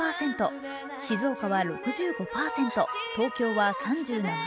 静岡は６５％、東京は３７％。